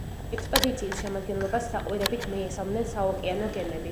ექსპედიციის შემადგენლობას საყვირებით მიესალმნენ საოკეანო გემები.